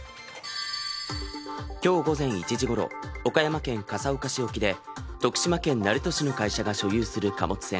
今日午前１時ごろ、岡山県笠岡市沖で徳島県鳴門市の会社が所有する貨物船